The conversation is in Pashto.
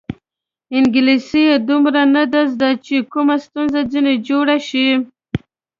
انګلیسي یې دومره نه ده زده چې کومه ستونزه ځنې جوړه شي.